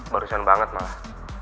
barusan banget malah